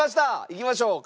いきましょう。